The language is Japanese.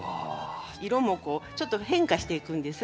色もこうちょっと変化していくんです。